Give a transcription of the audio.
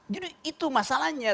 jadi itu masalahnya